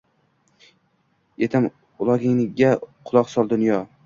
Etim ugloningga quloq sol dunyo